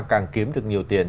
càng kiếm được nhiều tiền